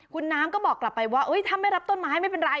คุณน้ำก็บอกกลับไปว่าถ้าไม่รับต้นไม้ไม่เป็นไร